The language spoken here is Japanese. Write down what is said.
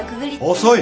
遅い！